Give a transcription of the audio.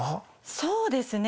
そうですね